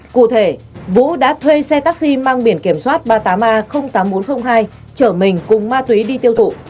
cụ thể vũ đã thuê xe taxi mang biển kiểm soát ba mươi tám a tám nghìn bốn trăm linh hai chở mình cùng ma túy đi tiêu thụ